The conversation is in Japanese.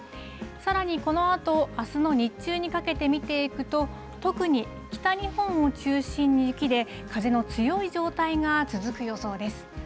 さらにこのあと、あすの日中にかけて見ていくと、特に北日本を中心に雪で、風の強い状態が続く予想です。